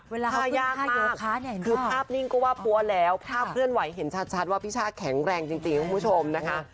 เวลาเขาขึ้น๕โยคค้าเนี่ยเห็นป่ะคือภาพนิ่งก็ว่าปัวแล้วภาพเพื่อนไหวเห็นชัดว่าพี่ช่าแข็งแรงจริงคุณผู้ชมนะคะ